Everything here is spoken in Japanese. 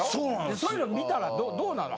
そういうの見たらどうなの？